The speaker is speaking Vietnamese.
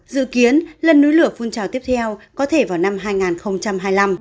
dự kiến lần núi lửa phun trào tiếp theo có thể vào năm hai nghìn hai mươi năm